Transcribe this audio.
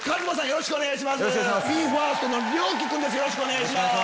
よろしくお願いします。